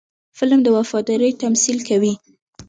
فلم د وفادارۍ تمثیل کوي